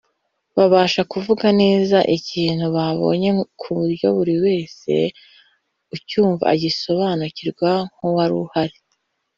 babasha kuvuga neza ikintu babonye kuburyo buri ewse ucyumva agisobanukirwa nk’uwari uhari